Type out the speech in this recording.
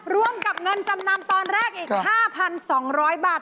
ร่วมกับเงินจำนำตอนแรกอีก๕๒๐๐บาท